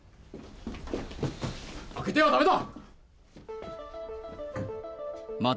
開けてはだめだ。